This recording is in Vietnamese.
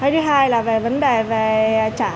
thứ hai là về vấn đề về trả